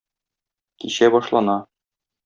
Кичә башлана.